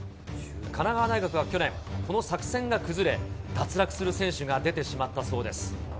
神奈川大学は去年、その作戦が崩れ、脱落する選手が出てしまったそうです。